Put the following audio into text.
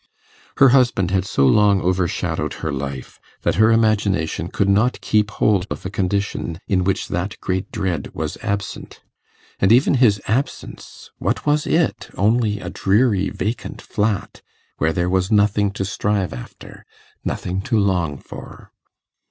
Her husband had so long overshadowed her life that her imagination could not keep hold of a condition in which that great dread was absent; and even his absence what was it? only a dreary vacant flat, where there was nothing to strive after, nothing to long for.